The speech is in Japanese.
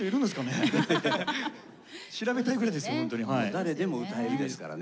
「誰でも歌える」ですからね